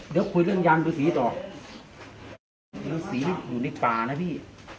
เดี๋ยวคุยเรื่องยานฤษีต่อฤษีอยู่ในป่านะพี่